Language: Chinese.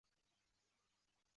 有些仿效类似性器官之触感。